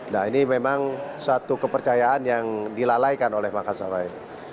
nah ini memang suatu kepercayaan yang dilalaikan oleh mas kapai